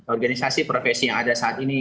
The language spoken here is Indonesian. organisasi profesi yang ada saat ini